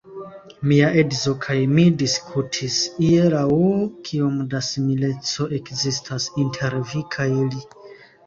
Mia edzo kaj mi diskutis hieraŭ, kiom da simileco ekzistas inter vi kaj li.